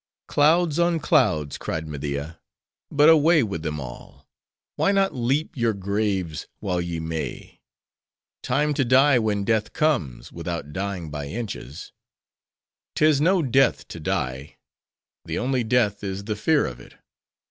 "Clouds on clouds!" cried Media, "but away with them all! Why not leap your graves, while ye may? Time to die, when death comes, without dying by inches. 'Tis no death, to die; the only death is the fear of it.